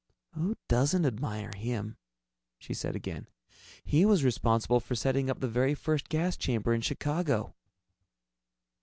"Who doesn't admire him?" she said again. "He was responsible for setting up the very first gas chamber in Chicago."